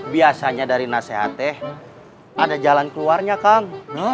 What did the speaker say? biasanya dari nasehateh ada jalan keluarnya kang